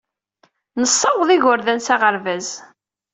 Nessaweḍ igerdan s aɣerbaz.